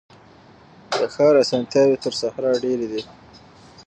د ښار اسانتیاوي تر صحرا ډیري دي.